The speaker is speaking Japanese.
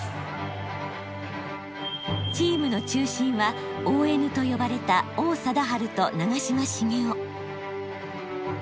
チームの中心は「ＯＮ」と呼ばれた王貞治と長嶋茂雄。